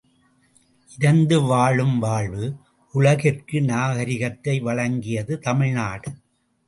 இரந்து வாழும் வாழ்வு உலகிற்கு நாகரிகத்தை வழங்கியது தமிழ்நாடு.